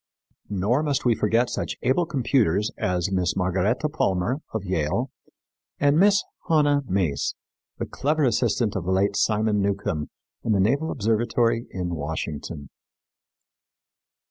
Nor must we forget such able computers as Mrs. Margaretta Palmer, of Yale, and Miss Hanna Mace, the clever assistant of the late Simon Newcomb in the Naval Observatory in Washington.